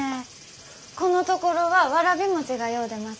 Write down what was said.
このところはわらび餅がよう出ます。